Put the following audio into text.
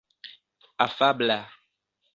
afabla